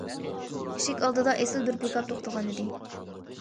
ئىشىك ئالدىدا ئېسىل بىر پىكاپ توختىغانىدى.